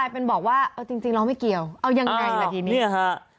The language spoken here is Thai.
เป็นบอกว่าเออจริงเราไม่เกี่ยวเอายังไงสถานีนี้